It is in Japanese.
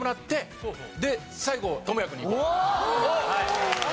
はい。